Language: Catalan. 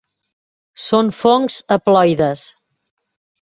Són fongs haploides.